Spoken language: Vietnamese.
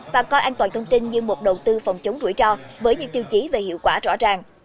và coi an toàn thông tin như một đầu tư phòng chống rủi ro với những tiêu chí về hiệu quả rõ ràng